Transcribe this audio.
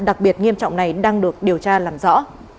đặc biệt nghiêm trọng này đang được điều tra làm rõ